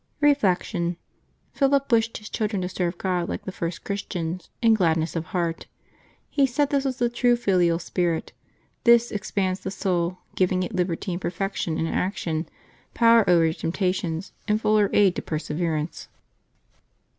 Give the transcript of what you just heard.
Reflection. — Philip wished his children to serve God, like the first Christians, in gladness of heart. He said this was the true filial spirit; this expands the soul, giving it liberty and perfection in action, power over temptations, and fuller aid to perseverance.